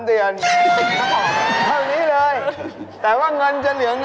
คราวนี้เลยแต่ว่าเงินจะเหลืองน้อย